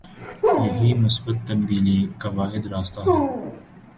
یہی مثبت تبدیلی کا واحد راستہ ہے۔